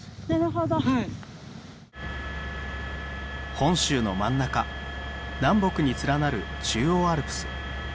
本州の真ん中南北に連なる中央アルプス。